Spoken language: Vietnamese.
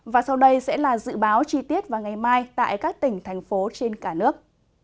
và sau đây sẽ là dự báo chi tiết vào ngày mai tại các tỉnh thành phố trên cả nước